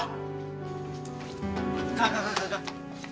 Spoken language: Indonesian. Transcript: kak kak kak